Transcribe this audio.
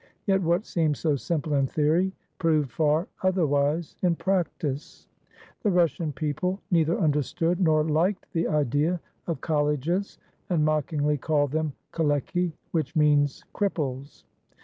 Yet what seemed so simple in theory, proved far otherwise in practice. The Russian people neither understood nor liked the idea of colleges, and mockingly called them kaleki, which means cripples.